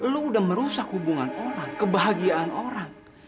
lo udah merusak hubungan orang kebahagiaan orang